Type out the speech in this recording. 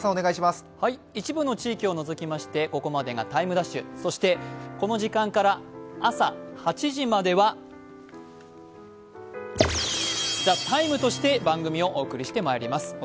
一部の地域を除きましてここまでが「ＴＩＭＥ’」、そしてこの時間から朝８時までは「ＴＨＥＴＩＭＥ，」として番組をお送りしてまいります。